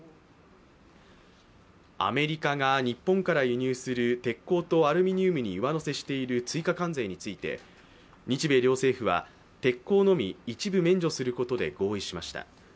アメリカが日本から輸入する鉄鋼とアルミニウムに上乗せしている追加関税について、日米両政府は鉄鋼のみ一部免除することで合意しました。